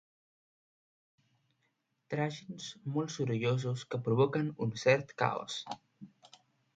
Tragins molt sorollosos que provoquen un cert caos.